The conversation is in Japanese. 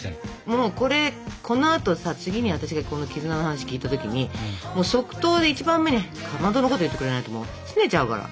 もうこのあとさ次に私がこの絆の話聞いた時にもう即答で一番目にかまどのこと言ってくれないとすねちゃうから。